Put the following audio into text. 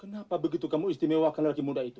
kenapa begitu kamu istimewakan lelaki muda itu